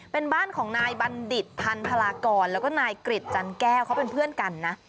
เป็นบ้านของนายบัณฑิตพันพลากรแล้วก็นายกริจจันแก้วเขาเป็นเพื่อนกันนะ